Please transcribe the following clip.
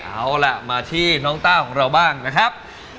เอาล่ะมาที่น้องต้าของเราบ้างนะครับ